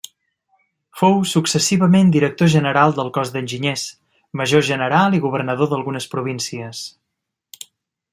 Fou successivament director general del cos d'enginyers, major general i governador d'algunes províncies.